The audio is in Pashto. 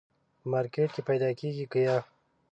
په مارکېټ کي پیدا کېږي که یه ؟